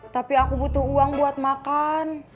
tapi aku butuh uang buat makan